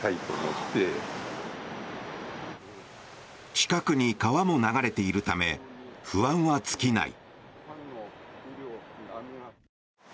近くに川も流れているため不安は尽きない。